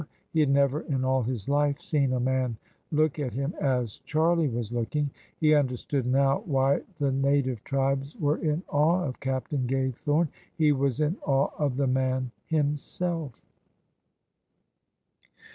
He had never in all his life seen a man look at him as Charlie was looking. He understood now why the native tribes were in awe of Cap tain Gaythorne: he was in awe of the man himself.